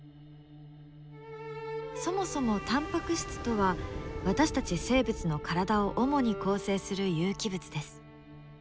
そもそもタンパク質とは私たち生物の体を主に構成する有機物です。